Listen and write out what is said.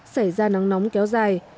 xảy ra nắng nóng kéo dài